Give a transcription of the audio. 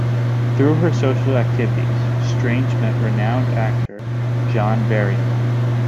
Through her social activities, Strange met renowned actor John Barrymore.